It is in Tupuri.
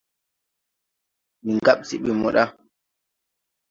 Ndi ŋgab se ɓi mo ɗa.